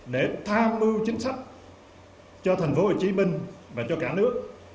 để tham mưu chính sách cho thành phố hồ chí minh và cho cả nước